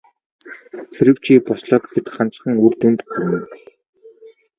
Хэрэв чи бослоо гэхэд ганцхан үр дүнд хүрнэ.